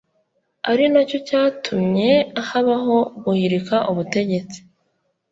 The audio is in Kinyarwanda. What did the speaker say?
ari nacyo cyatumye habaho guhirika ubutegetsi